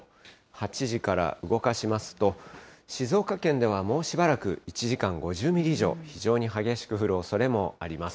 ８時から動かしますと、静岡県ではもうしばらく１時間５０ミリ以上、非常に激しく降るおそれもあります。